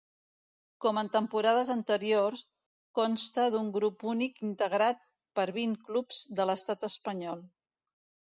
Com en temporades anteriors, consta d'un grup únic integrat per vint clubs de l'estat espanyol.